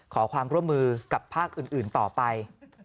ขอความร่วมมือกับภาคอื่นต่อไป